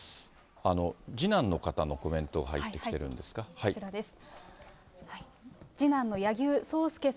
次男の方のコメントが入ってきてるんですか。